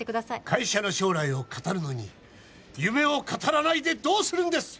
会社の将来を語るのに夢を語らないでどうするんです！？